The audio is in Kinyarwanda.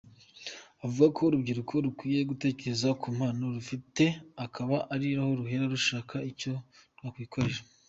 Avuga ko urubyiruko rukwiye gutekereza ku mpano rufite akaba ariho ruhera rushaka icyo rwakwikorera.